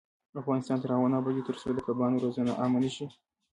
افغانستان تر هغو نه ابادیږي، ترڅو د کبانو روزنه عامه نشي.